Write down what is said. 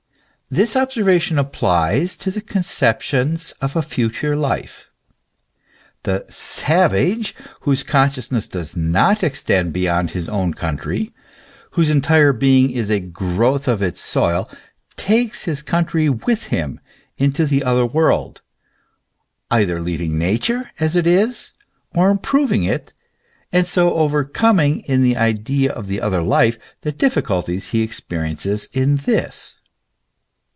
This observation applies to the conceptions of a future life. The " savage," whose consciousness does not extend be yond his own country, whose entire being is a growth of its soil, takes his country with him into the other world, either leaving Nature as it is, or improving it, and so overcoming in the idea of the other life the difficulties he experiences in this.